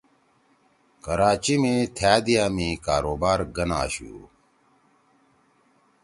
کراچی می تھأ دیا می کاروبار گن آشُو